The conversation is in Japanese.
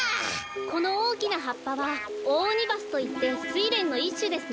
このおおきなはっぱはオオオニバスといってスイレンのいっしゅですね。